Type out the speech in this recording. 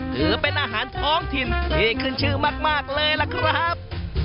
ถือเป็นอาหารท้องถิ่นที่ขึ้นชื่อมากเลยล่ะครับ